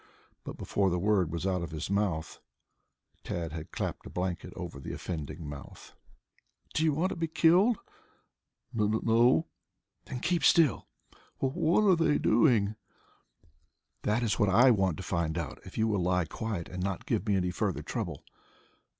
But before the word was out of his mouth Tad had clapped a blanket over the offending mouth. "Do you want to be killed?" "N n no." "Then keep still!" "Wha what are they doing?" "That is what I want to find out if you will lie quiet and not give me any further trouble.